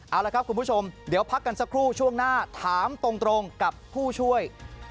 เอาละครับคุณผู้ชมเดี๋ยวพักกันสักครู่ช่วงหน้าถามตรงกับผู้ช่วย